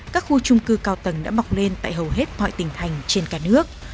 các khu chung cư cao tầng đã bọc lên tại hầu hết mọi tỉnh thành trên cả nước